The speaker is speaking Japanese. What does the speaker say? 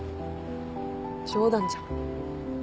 冗談じゃん。